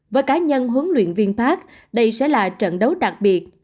với cá nhân huấn luyện viên park đây sẽ là trận đấu đặc biệt